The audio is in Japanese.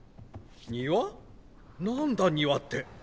何だ庭って？